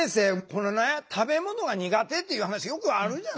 これね食べ物が苦手っていう話よくあるじゃないですか。